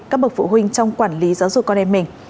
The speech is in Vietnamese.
các bậc phụ huynh trong quản lý giáo dục con em mình